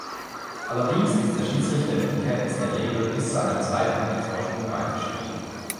Allerdings ließ der Schiedsrichter in Unkenntnis der Regel bis zu einem Zwei-Punkte-Vorsprung weiterspielen.